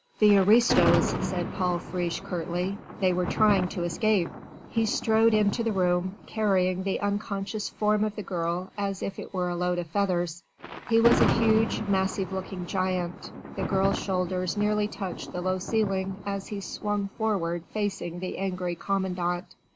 "The aristos," said Paul Friche curtly; "they were trying to escape." He strode into the room, carrying the unconscious form of the girl as if it were a load of feathers. He was a huge, massive looking giant: the girl's shoulders nearly touched the low ceiling as he swung forward facing the angry commandant.